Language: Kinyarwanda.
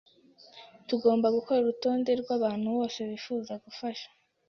Tugomba gukora urutonde rwabantu bose bifuza gufasha.